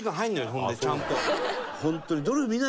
ほんでちゃんと。